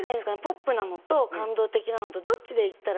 ポップなのと感動的なのとどっちでいったら？